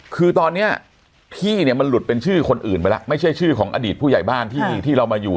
คือตอนนี้ที่เนี่ยมันหลุดเป็นชื่อคนอื่นไปแล้วไม่ใช่ชื่อของอดีตผู้ใหญ่บ้านที่เรามาอยู่